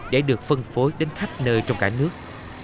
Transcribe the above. để được phân phối đến khắp nơi trong cả nước